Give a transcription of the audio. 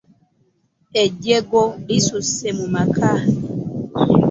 Ejjoogo lisuuse mu maka.